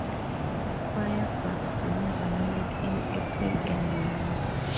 Firebugs generally mate in April and May.